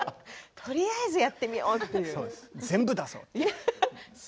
とりあえずやってみよう全部出す。